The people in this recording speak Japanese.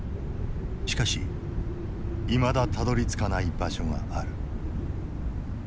しかしいまだたどりつかない場所がある。